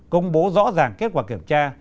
công bố rõ ràng kết quả kiểm tra